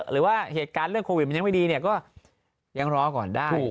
หรือว่าเหตุการณ์เรื่องโควิดมันยังไม่ดีเนี่ยก็ยังรอก่อนได้